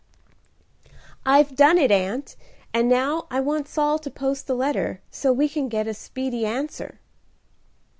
"I've done it, Aunt; and now I want Saul to post the letter, so we can get a speedy answer."